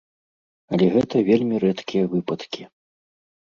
Але гэта вельмі рэдкія выпадкі.